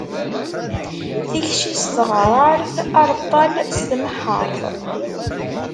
Tikci s teɣṛaṛt, areṭṭal s tmeḥḥaṛt.